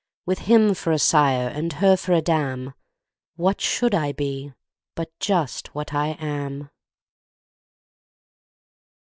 With him for a sire and her for a dam, What should I be but just what I am?